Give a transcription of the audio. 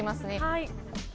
はい。